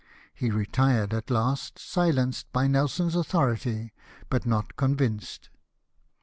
He retired at last, silenced by Nelson's authority, but not convinced.